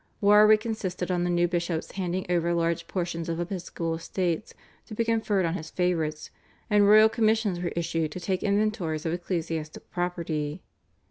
Warwick insisted on the new bishops handing over large portions of episcopal estates to be conferred on his favourites, and royal commissions were issued to take inventories of ecclesiastical property.